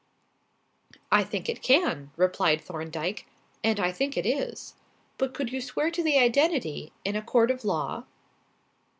"I think it can," replied Thorndyke, "and I think it is. But could you swear to the identity in a court of law?"